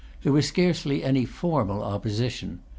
There was scarcely any formal opposition.